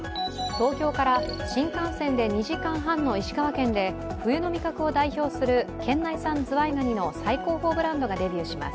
東京から新幹線で２時間半の石川県で、冬の味覚を代表する県内産ズワイガニの最高峰ブランドがデビューします。